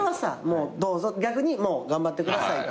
もうどうぞ逆に頑張ってください。